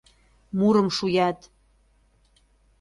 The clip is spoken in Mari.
Мурым шуят.